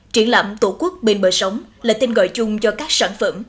triển lãm tổ quốc bên bờ sóng là tên gọi chung do các sản phẩm